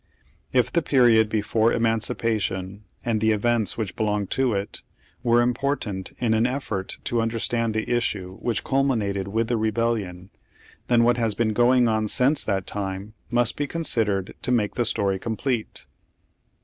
If the period before emancipation, and the events which belong to it, were impor tant in an effort to understand the issue which cul minated with the rebellion, then what has been going on since that time must be considered to m.ake the story complete.